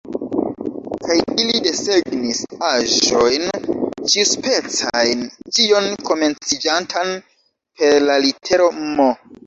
Kaj ili desegnis aĵojn ĉiuspecajn, ĉion komenciĝantan per la litero M.